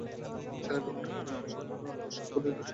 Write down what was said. সেলাই-ব্যাপারটাকে রমেশ অত্যন্ত অনাবশ্যক ও তুচ্ছ বলিয়া জ্ঞান করে।